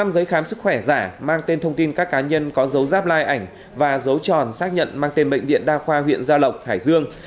một mươi giấy khám sức khỏe giả mang tên thông tin các cá nhân có dấu dắp lai ảnh và dấu tròn xác nhận mang tên bệnh viện đa khoa huyện gia lộc hải dương